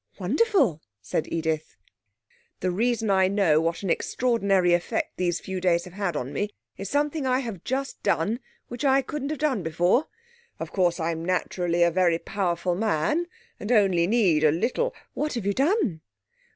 'Wonderful!' said Edith. 'The reason I know what an extraordinary effect these few days have had on me is something I have just done which I couldn't have done before. Of course I'm naturally a very powerful man, and only need a little ' 'What have you done?'